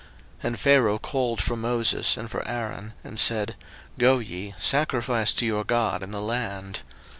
02:008:025 And Pharaoh called for Moses and for Aaron, and said, Go ye, sacrifice to your God in the land.